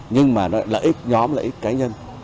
nhưng mà nó lợi ích nhóm lợi ích cá nhân